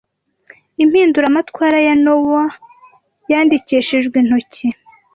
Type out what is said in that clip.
impinduramatwara ya Nowell yandikishijwe intoki